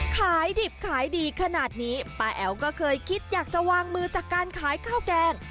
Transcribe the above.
ขายดิบขายดีขนาดนี้ป้าแอ๋วก็เคยคิดอยากจะวางมือจากการขายข้าวแกง